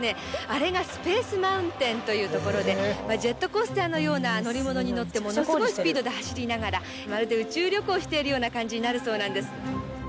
あれがスペース・マウンテンというところでジェットコースターのような乗り物に乗ってものスゴいスピードで走りながらまるで宇宙旅行しているような感じになるそうなんです